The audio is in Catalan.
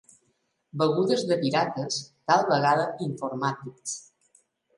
Begudes de pirates, tal vegada informàtics.